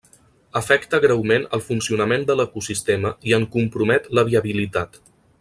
Afecta greument al funcionament de l'ecosistema i en compromet la viabilitat.